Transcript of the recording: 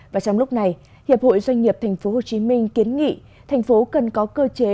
và trong lúc này hiệp hội doanh nghiệp tp hcm kiến nghị thành phố cần có cơ chế